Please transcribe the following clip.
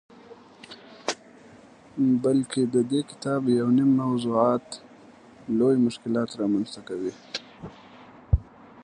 بلکه ددې کتاب یونیم موضوعات لوی مشکلات رامنځته کوي.